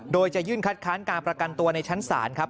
โดยจะยื่นคัดค้านการประกันตัวในชั้นศาลครับ